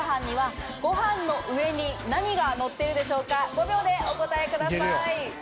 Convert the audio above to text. ５秒でお答えください。